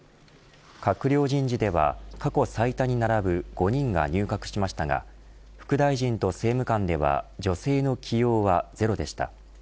閣僚人事では過去最多に並ぶ５人が入閣しましたが副大臣と政務官では女性の起用はゼロでした。